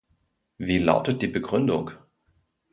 Wie lautet die Begründung?